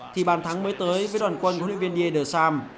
thì bàn thắng mới tới với đoàn quân của luyện viên dier de sam